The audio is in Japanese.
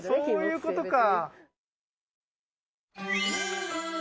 そういうことか。